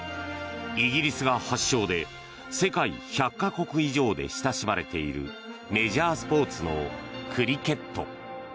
イギリスが発祥で世界１００か国以上で親しまれているメジャースポーツのクリケット。